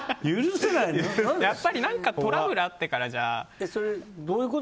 やっぱり何かトラブルあってからじゃ。